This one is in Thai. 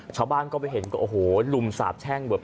ชาวบ้านก็ไปเห็นก็โอ้โหลุมสาบแช่งแบบ